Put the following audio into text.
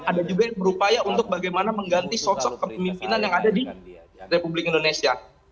ada juga yang berupaya untuk bagaimana mengganti sosok kepemimpinan yang ada di republik indonesia